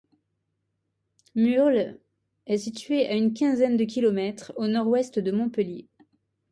Murles est située à une quinzaine de kilomètres au nord-ouest de Montpellier.